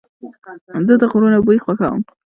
زه د غرونو بوی خوښوم.